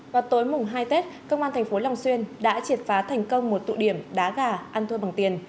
vào tối mùng hai tết công an tp long xuyên đã triệt phá thành công một tụ điểm đá gà ăn thôi bằng tiền